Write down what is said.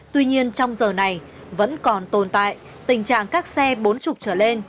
tuy nhiên trong giờ này vẫn còn tồn tại tình trạng các xe bốn mươi trở lên